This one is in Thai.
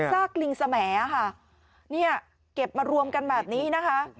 ซากลิงสมค่ะเนี่ยเก็บมารวมกันแบบนี้นะคะ